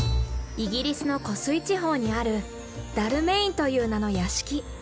イギリスの湖水地方にあるダルメインという名の屋敷。